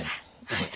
はい。